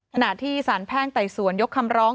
ขณะที่สารแพ่งไต่สวนยกคำร้อง